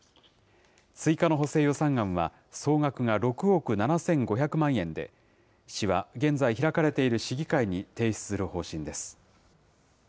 追加の補正予算案は総額が６億７５００万円で、市は現在開かれている市議会に提出する方針です。